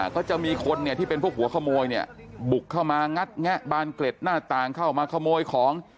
ก็จะมีคนเนี่ยที่เป็นพวกหัวขโมยเนี่ยบุกเข้ามางัดแงะบานเกล็ดหน้าต่างเข้ามาขโมยของ